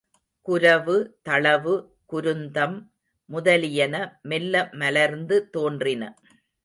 குரவு தளவு குருந்தம் முதலியன மெல்ல மலர்ந்து தோன்றின.